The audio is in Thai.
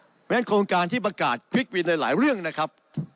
เพราะฉะนั้นโครงการที่ประกาศควิกวินในหลายเรื่องนะครับ